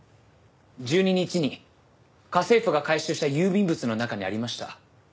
１２日に家政婦が回収した郵便物の中にありました。